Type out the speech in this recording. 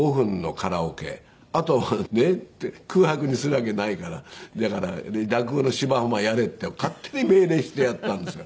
あとはねって空白にするわけにいかないからだから落語の『芝浜』やれって勝手に命令してやったんですが。